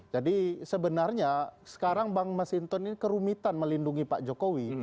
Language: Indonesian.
jadi sebenarnya sekarang bang mas hinton ini kerumitan melindungi pak jokowi